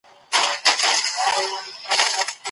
خپل راز هر چا ته مه وايئ.